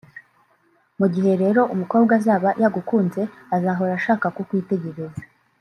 Mu gihe rero umukobwa azaba yagukunze azahora ashaka kukwitegereza